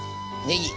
ねぎ。